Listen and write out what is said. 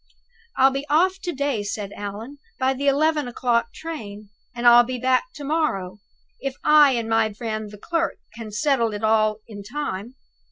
"I'll be off to day," said Allan, "by the eleven o'clock train. And I'll be back to morrow, if I and my friend the clerk can settle it all in time.